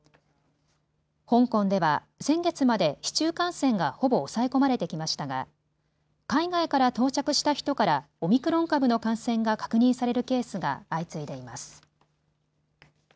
香港では先月まで市中感染がほぼ抑え込まれてきましたが海外から到着した人からオミクロン株の感染が確認されるケースが相次いでいます。